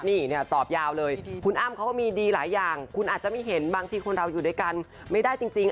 นี่เนี่ยตอบยาวเลยคุณอ้ำเขาก็มีดีหลายอย่างคุณอาจจะไม่เห็นบางทีคนเราอยู่ด้วยกันไม่ได้จริง